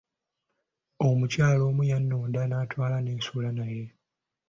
Omukyala omu yannonda n'antwala ne nsula naye.